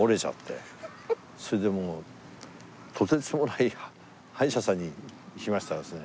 それでもうとてつもない歯医者さんに行きましたらですね